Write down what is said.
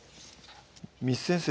簾先生